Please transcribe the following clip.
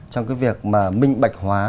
trong cái việc mà minh bạch hóa